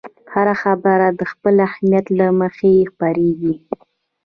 هر خبر د خپل اهمیت له مخې خپرېږي.